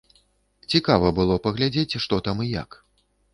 Цікава было паглядзець, што там і як.